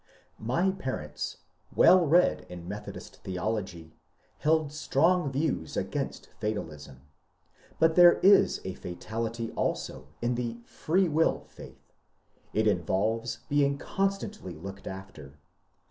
My parents, well read in Methodist theology, held strong views against fatalism, but there is a fatality also in the ^^ free will " faith : it involves being constantly looked after.